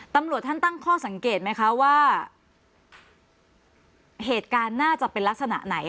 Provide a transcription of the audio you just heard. ตำรวจท่านตั้งข้อสังเกตไหมคะว่าเหตุการณ์น่าจะเป็นลักษณะไหน